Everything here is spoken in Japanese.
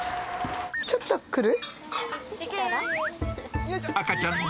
ちょっと来る？